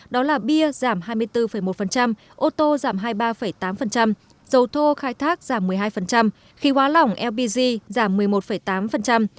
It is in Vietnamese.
đó là bia giảm hai mươi bốn một ô tô giảm hai mươi ba tám dầu thô khai thác giảm một mươi hai khí hóa lỏng lpg giảm một mươi một tám